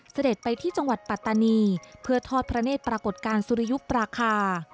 เสด็จไปที่จังหวัดปัตตานีเพื่อทอดพระเนธปรากฏการณ์สุริยุปราคา